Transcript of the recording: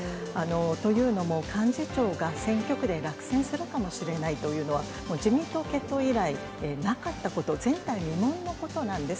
というのも幹事長が選挙区で落選するかもしれないというのは、もう自民党結党以来、なかったこと、前代未聞のことなんです。